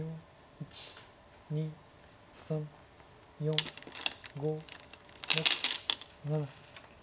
１２３４５６７。